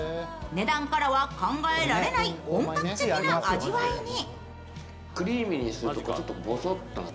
値段からは考えられない本格的な味わいに。